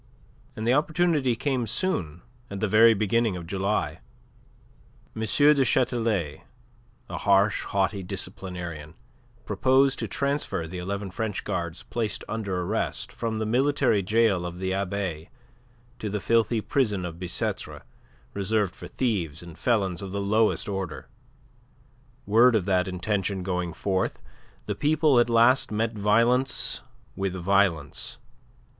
And the opportunity came soon, at the very beginning of July. M. du Chatelet, a harsh, haughty disciplinarian, proposed to transfer the eleven French Guards placed under arrest from the military gaol of the Abbaye to the filthy prison of Bicetre reserved for thieves and felons of the lowest order. Word of that intention going forth, the people at last met violence with violence.